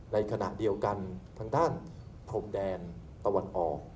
ในขณะเดียวกันทางด้านพรมแดนตะวันออก